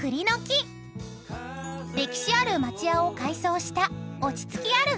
［歴史ある町家を改装した落ち着きある雰囲気］